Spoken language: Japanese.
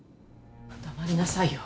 黙りなさいよ